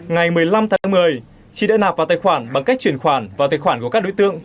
ngày một mươi năm tháng một mươi chị đã nạp vào tài khoản bằng cách truyền khoản vào tài khoản của các đối tượng